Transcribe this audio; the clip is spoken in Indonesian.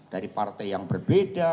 dari partai yang berbeda